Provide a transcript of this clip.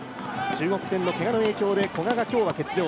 中国戦のけがの影響で古賀が今日は欠場。